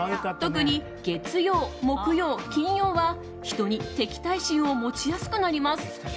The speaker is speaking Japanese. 特に月曜、木曜、金曜は人に敵対心を持ちやすくなります。